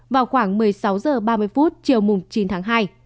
vào khoảng một mươi sáu h ba mươi chiều chín tháng hai